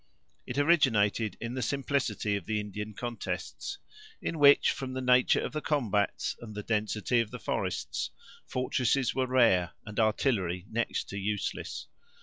It originated in the simplicity of the Indian contests, in which, from the nature of the combats, and the density of the forests, fortresses were rare, and artillery next to useless.